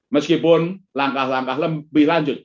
meskipun langkah langkah lembut